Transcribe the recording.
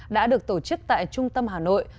đã được tổ chức tại trung tâm hà nội